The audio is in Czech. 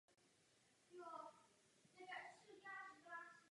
Prosazoval důsledně ocelové mosty místo dřevěných.